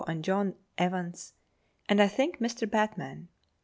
and John Evans, and, I think, Mr. Batman.